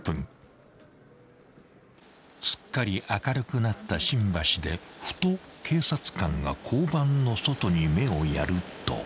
［すっかり明るくなった新橋でふと警察官が交番の外に目をやると］